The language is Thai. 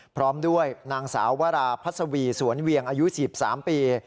พร้อมด้วยนางสาววราพัศวีสวนเวียงอายุ๑๓ปี